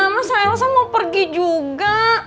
masa elsa mau pergi juga